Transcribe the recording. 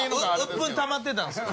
鬱憤たまってたんですか？